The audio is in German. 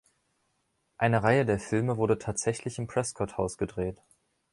Eine Reihe der Filme wurde tatsächlich im Prescott Haus gedreht.